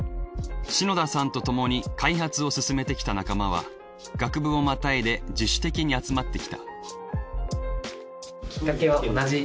篠田さんとともに開発を進めてきた仲間は学部をまたいで自主的に集まってきた。